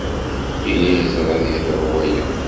Yella yeẓra ad yeḍru waya.